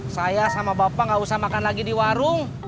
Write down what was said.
saya sama bapak nggak usah makan lagi di warung